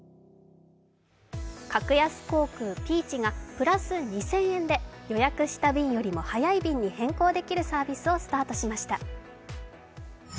格安航空ピーチがプラス２０００円で予約した便よりも早い便に変更できるサービスをスタートさせました。